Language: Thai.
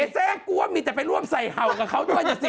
เสธแทนกรู้ว่ามีถึงไปร่วมใส่เห่ากับเขานี่สิ